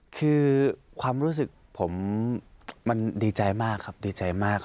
คือความรู้สึกผมมันดีใจมากครับดีใจมาก